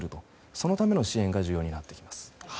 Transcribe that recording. そのための支援が重要になってきます。